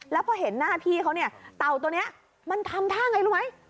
แล้วพอเห็นหน้าพี่เขาเนี่ยเต่าตัวนี้มันทำท่าไงรู้ไหม